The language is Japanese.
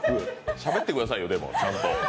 しゃべってくださいよ、でもちゃんと。